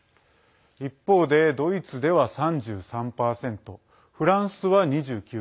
一方で、ドイツでは３３％フランスは２９％